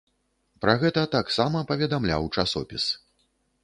Пра гэта таксама паведамляў часопіс.